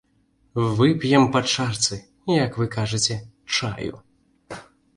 Вып'ем па чарцы, як вы кажаце, чаю.